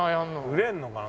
振れんのかな？